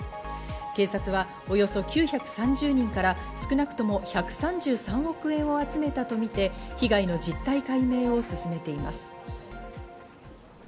警察はおよそ９３０人から少なくとも１３３億円を集めたとみて、被害の実態解明を進めています。